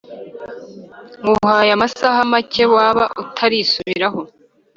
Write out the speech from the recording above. nguhaye amasaha make waba utarisubiraho